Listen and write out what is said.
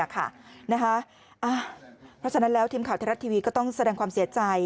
เพราะฉะนั้นแล้วทีมข่าวไทยรัฐทีวีก็ต้องแสดงความเสียใจ